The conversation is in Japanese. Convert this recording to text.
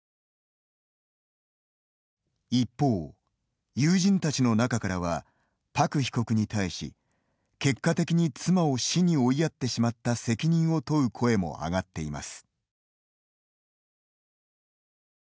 一方、友人たちの中からは朴被告に対し結果的に妻を死に追いやってしまった責任を問う声も上がっています。